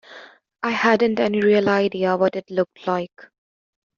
I hadn’t any real idea what it looked like.